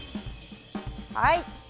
はい。